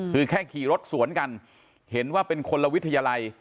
คือแค่ขี่รถสวนกันเห็นว่าเป็นคนละวิทยาลัย